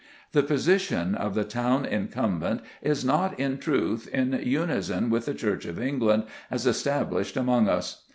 The position of the town incumbent is not, in truth, in unison with the Church of England as established among us.